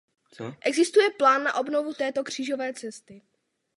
Existuje plán na obnovu této křížové cesty.